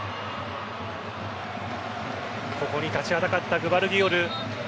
ここに立ちはだかったグヴァルディオル。